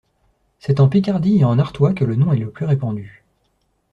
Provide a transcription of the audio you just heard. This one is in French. C'est en Picardie et en Artois que le nom est le plus répandu.